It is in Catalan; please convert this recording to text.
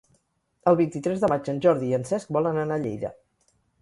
El vint-i-tres de maig en Jordi i en Cesc volen anar a Lleida.